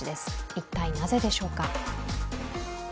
一体、なぜでしょうか。